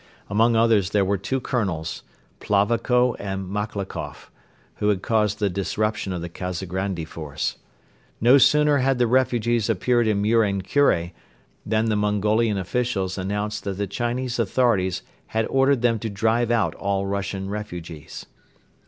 Among others there were two Colonels, Plavako and Maklakoff, who had caused the disruption of the Kazagrandi force. No sooner had the refugees appeared in Muren Kure than the Mongolian officials announced that the Chinese authorities had ordered them to drive out all Russian refugees.